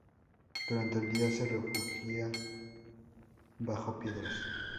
Durante el día se refugia bajo piedras.